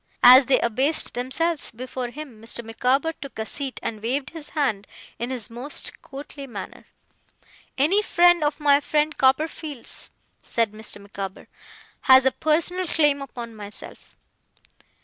As they abased themselves before him, Mr. Micawber took a seat, and waved his hand in his most courtly manner. 'Any friend of my friend Copperfield's,' said Mr. Micawber, 'has a personal claim upon myself.